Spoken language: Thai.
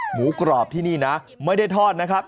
หมูกรอบที่นี่นะไม่ได้ทอดนะครับ